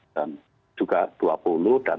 dan juga dua puluh